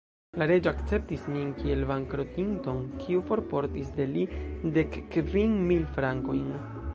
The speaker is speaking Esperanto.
La Reĝo akceptis min kiel bankrotinton, kiu forportis de li dek kvin mil frankojn.